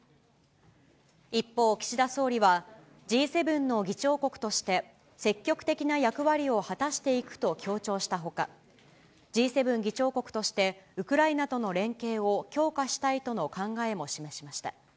一方、岸田総理はＧ７の議長国として、積極的な役割を果たしていくと強調したほか、Ｇ７議長国として、ウクライナとの連携を強化したいとの考えも示しました。